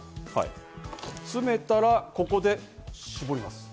詰めたら、ここで絞ります。